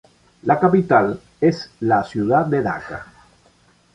La capital es la ciudad de Daca.